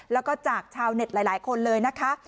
แล้วก็จากชาวเน็ตหลายคนเลยนะคะ